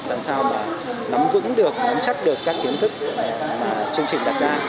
làm sao mà nắm vững được nắm chắc được các kiến thức chương trình đặt ra